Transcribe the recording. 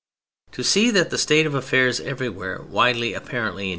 To see that the state of affairs everywhere widely apparent in A.